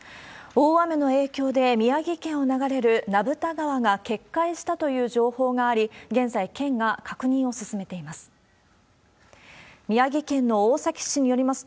大雨の影響で、宮城県を流れる名蓋川が決壊したという情報があり、現在、県が確認を進めています。